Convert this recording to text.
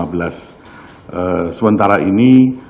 yang lalu yang kami pegang